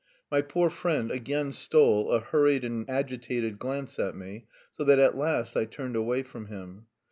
My poor friend again stole a hurried and agitated glance at me, so that at last I turned away from him.